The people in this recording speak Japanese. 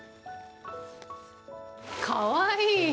かわいい！